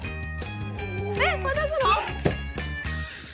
えっ渡すの？